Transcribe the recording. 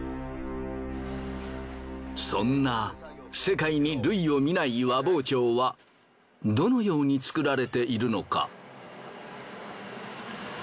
そんな世界に類を見ない和包丁はどのようにつくられているのか？